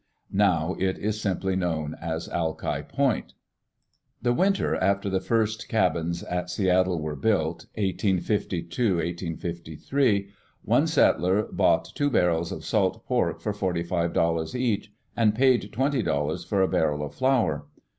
Now it is simply known as Alki Point. The winter after the first cabins at Seattle were built, 1 852 1 853, one settler bought two barrels of salt pork for forty five dollars each, and paid twenty dollars for a barrel of flour.